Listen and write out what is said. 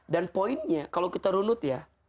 dan poinnya kalau kita runut ya